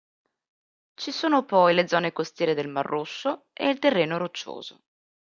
Ci sono poi le zone costiere del Mar Rosso e il terreno roccioso.